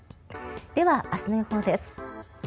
では、明日の予報です。